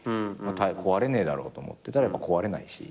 壊れねえだろうと思ってたらやっぱ壊れないし。